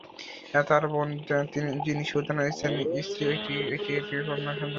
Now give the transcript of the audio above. তার বোন, যিনি সুলতানের স্ত্রী, একটি একটি কন্যা সন্তানের জন্ম দেন।